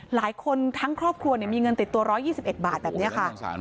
หลายคนทั้งครอบครัวมีเงินติดตัว๑๒๑บาทแบบนี้ค่ะ